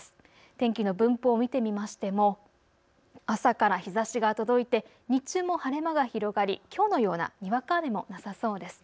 天気の分布を見てみましても朝から日ざしが届いて日中も晴れ間が広がり、きょうのようなにわか雨もなさそうです。